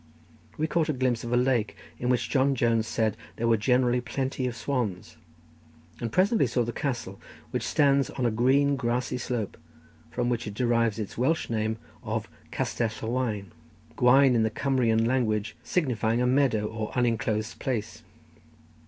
We caught a glimpse of a lake, in which John Jones said there were generally plenty of swans, and presently saw the castle, which stands on a green grassy slope, from which it derives its Welsh name of Castell y Waen; gwaen in the Cumrian language signifying a meadow or unenclosed place.